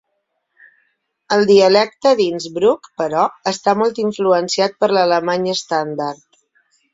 El dialecte d'Innsbruck, però, està molt influenciat per l'alemany estàndard.